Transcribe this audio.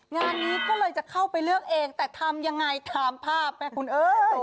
งานนี้ก็เลยจะเข้าไปเลือกเองแต่ทำยังไงถามภาพไหมคุณเอ้ย